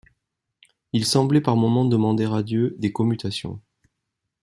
Il semblait par moments demander à Dieu des commutations.